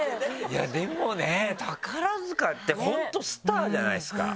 でもね宝塚って本当スターじゃないですか。